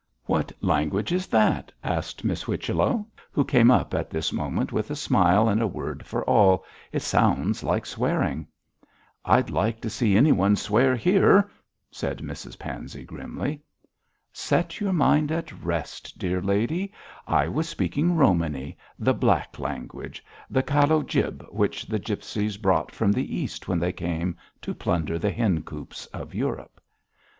'What language is that?' asked Miss Whichello, who came up at this moment with a smile and a word for all; 'it sounds like swearing.' 'I'd like to see anyone swear here,' said Mrs Pansey, grimly. 'Set your mind at rest, dear lady, I was speaking Romany the black language the calo jib which the gipsies brought from the East when they came to plunder the hen coops of Europe.'